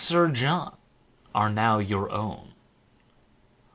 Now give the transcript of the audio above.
...., are now your own.